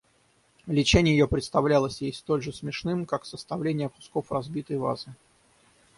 Лечение ее представлялось ей столь же смешным, как составление кусков разбитой вазы.